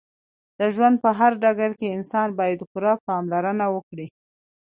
د ژوند په هر ډګر کې انسان باید پوره پاملرنه وکړې